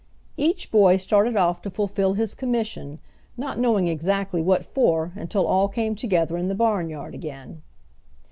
Each boy started off to fulfill his commission, not knowing exactly what for until all came together in the barnyard again.